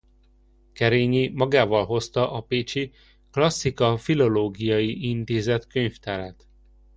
Kerényi magával hozta a pécsi Klasszika-filológiai Intézet könyvtárát.